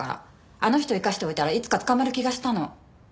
あの人生かしておいたらいつか捕まる気がしたの。